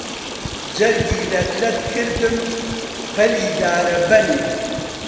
جەرگی لەت کردم پەلی دارەبەنێ